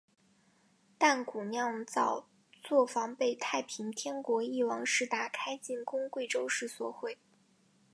但古酿造作房被太平天国翼王石达开进攻贵州时所毁。